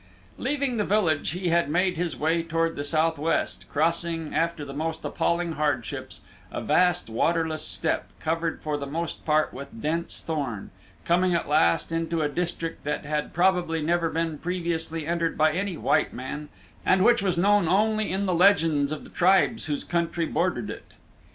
Leaving the village he had made his way toward the southwest, crossing, after the most appalling hardships, a vast waterless steppe covered for the most part with dense thorn, coming at last into a district that had probably never been previously entered by any white man and which was known only in the legends of the tribes whose country bordered it.